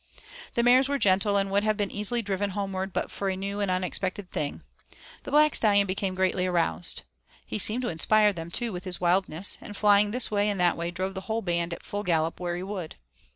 The mares were gentle, and would have been easily driven homeward but for a new and unexpected thing. The Black Stallion became greatly aroused. He seemed to inspire them too with his wildness, and flying this way and that way drove the whole band at full gallop where he would.